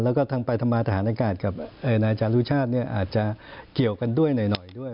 แล้วก็ทางปริธรรมธหารอากาศกับนายจรุชชาติเนี่ยอาจจะเกี่ยวกันด้วยหน่อยด้วย